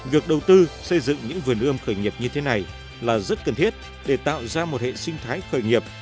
việc đầu tư xây dựng những vườn ươm khởi nghiệp như thế này là rất cần thiết để tạo ra một hệ sinh thái khởi nghiệp